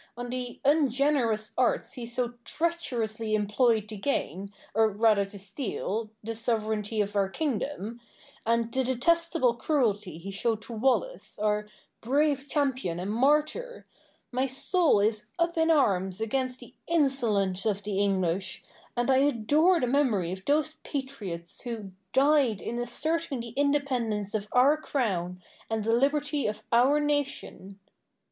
on the ungenerous arts he so treacherously employed to gain, or rather to steal, the sovereignty of our kingdom, and the detestable cruelty he showed to Wallace, our brave champion and martyr, my soul is up in arms against the insolence of the English, and I adore the memory of those patriots who died in asserting the independence of our Crown and the liberty of our nation.